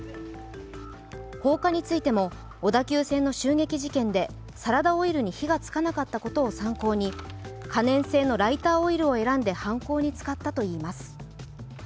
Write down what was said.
放火についても、小田急線の襲撃事件でサラダオイルに火がつかなかったことを参考に、可燃性のライターオイルを選んで犯行に使ったといいます。